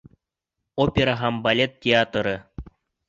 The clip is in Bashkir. Опера һәм балет театры